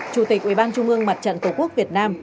chủ tịch ủy ban trung ương mặt trận tổ quốc việt nam